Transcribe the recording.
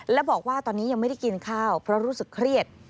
และบอกว่าตอนนี้ยังไม่ได้กินข้าวเพราะรู้สึกเครียด